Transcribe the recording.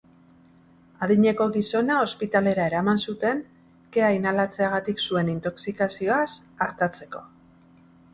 Adineko gizona ospitalera eraman zuten kea inhalatzeagatik zuen intoxikazioaz artatzeko.